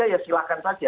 ya silahkan saja